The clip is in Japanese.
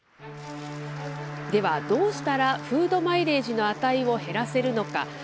では、どうしたらフード・マイレージの値を減らせるのか。